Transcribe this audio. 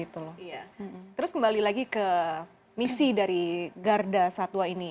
terus kembali lagi ke misi dari garda satwa ini